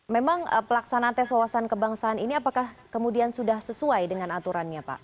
memang pelaksanaan tes wawasan kebangsaan ini apakah kemudian sudah sesuai dengan aturannya pak